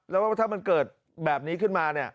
แล้วถ้ามันเกิดแบบนี้ขึ้นมา